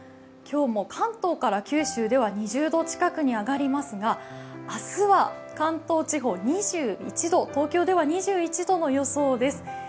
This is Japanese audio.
今日も関東から九州では２０度近くまで上がりますが、明日は関東地方、２１度東京では２１度の予想です。